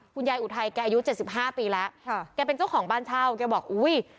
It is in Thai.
คุณยายอุทัยแกอายุ๗๕ปีแล้วแกเป็นเจ้าของบ้านเช่าแกบอกอุ้ย